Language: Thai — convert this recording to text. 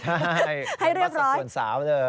ใช่เป็นวัดสัดสวรรค์สาวเลย